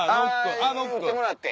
あ打ってもらって。